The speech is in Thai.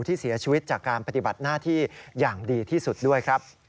ที่เสียชีวิตจากการปฏิบัติหน้าที่อย่างดีที่สุดด้วยครับ